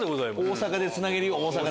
大阪でつなげるよ。